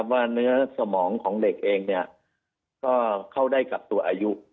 ว่าเนื้อสมองของเด็กเองก็เข้าได้กับตัวอายุ